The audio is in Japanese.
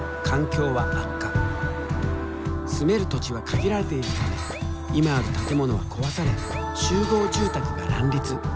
住める土地は限られているため今ある建物は壊され集合住宅が乱立。